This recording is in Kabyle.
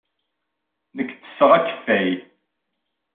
Nekk ttesseɣ akeffay.